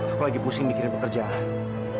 aku lagi pusing dikirim pekerjaan